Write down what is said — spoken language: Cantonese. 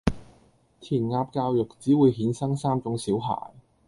填鴨教育只會衍生三種小孩